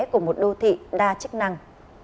của một đô thị đa chức năng